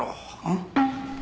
ん？